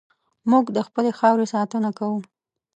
موږ د خپلې خاورې ساتنه کوو.